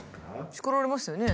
叱られましたよね